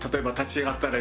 入ったら。